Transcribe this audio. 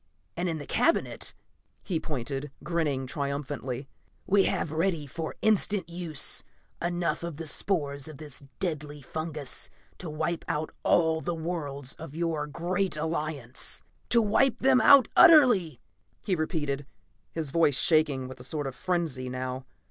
And in the cabinet," he pointed grinning triumphantly "we have, ready for instant use, enough of the spores of this deadly fungas to wipe out all the worlds of your great Alliance. "To wipe them out utterly!" he repeated, his voice shaking with a sort of frenzy now.